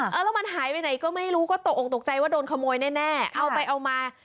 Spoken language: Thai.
แล้วมันหายไปไหนก็ไม่รู้ก็ตกออกตกใจว่าโดนขโมยแน่เอาไปเอามา